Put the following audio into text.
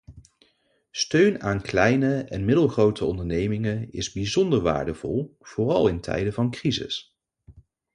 Steun aan kleine en middelgrote ondernemingen is bijzonder waardevol, vooral in tijden van crisis.